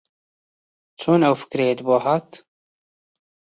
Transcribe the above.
چۆن ئەو فکرەیەت بۆ ھات؟